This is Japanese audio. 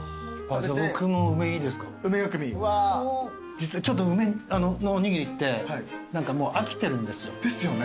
実はちょっと梅のおにぎりって何かもう飽きてるんですよ。ですよね。